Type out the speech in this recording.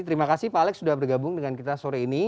terima kasih pak alex sudah bergabung dengan kita sore ini